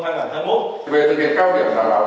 cùng các cấp các ngành